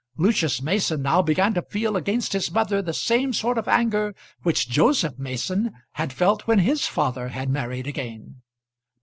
Lucius Mason now began to feel against his mother the same sort of anger which Joseph Mason had felt when his father had married again.